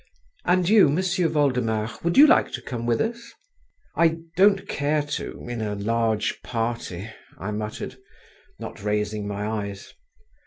"And you, M'sieu' Voldemar, would you come with us?" "I don't care to … in a large party," I muttered, not raising my eyes.